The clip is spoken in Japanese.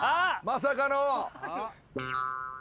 まさかの！